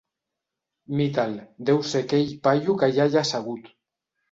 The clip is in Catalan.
Mite'l, deu ser aquell paio que hi ha allà assegut.